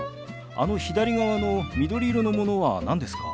あの左側の緑色のものは何ですか？